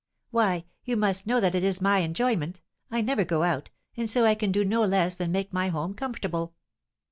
"Why, you must know that is my enjoyment. I never go out, and so I can do no less than make my home comfortable."